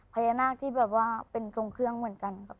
พญานาคที่แบบว่าเป็นทรงเครื่องเหมือนกันครับ